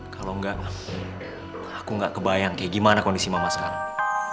kalau enggak aku nggak kebayang kayak gimana kondisi mama sekarang